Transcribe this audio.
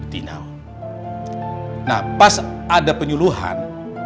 nah pas ada penyuluhan